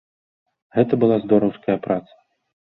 Гэта была здораўская праца!